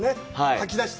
吐き出して。